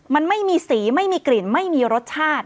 มันไม่มีสีไม่มีกลิ่นไม่มีรสชาติ